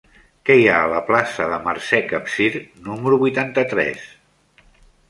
Què hi ha a la plaça de Mercè Capsir número vuitanta-tres?